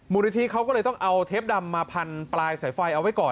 มูลนิธิเขาก็เลยต้องเอาเทปดำมาพันปลายสายไฟเอาไว้ก่อน